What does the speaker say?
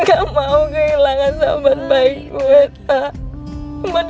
nggak mau kehilangan sahabat baik baik